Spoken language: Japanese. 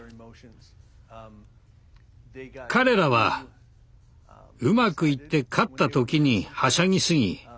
彼らはうまくいって勝った時にはしゃぎ過ぎ